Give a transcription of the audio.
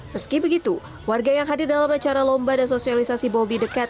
meski begitu warga yang hadir dalam acara lomba dan sosialisasi bobi dekat